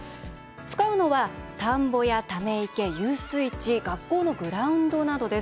使うのは、田んぼや、ため池遊水池、学校のグラウンドなど。